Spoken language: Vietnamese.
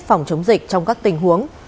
phòng chống dịch trong các tình huống